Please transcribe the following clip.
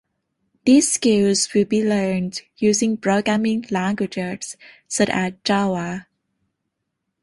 These skills will be learned using programming languages such as Java.